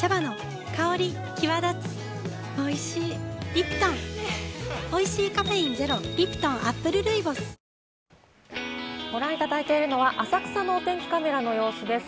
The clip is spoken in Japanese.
ニトリご覧いただいているのは、浅草のお天気カメラの様子です。